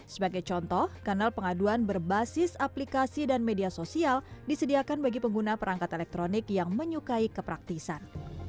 sebagai contoh kanal pengaduan berbasis aplikasi dan media sosial disediakan bagi pengguna perangkat elektronik yang menyukai kepraktisan